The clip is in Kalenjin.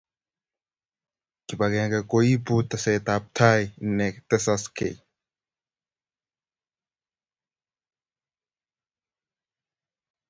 Kipakenge ko ipu tesetaptai ne tesaskei